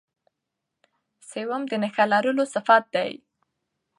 سوم د نخښهلرلو صفت دئ.